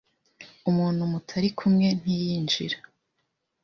umuntu mutari kumwe ntiyinjira,